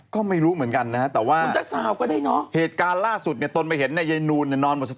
ก็ไม่รู้เหมือนกันนะครับแต่ว่ามันจะสาวกันนะ